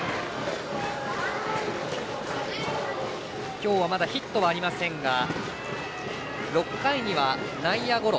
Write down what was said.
今日はまだヒットはありませんが６回には内野ゴロ。